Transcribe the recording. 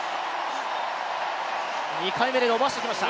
２回目で伸ばしてきました。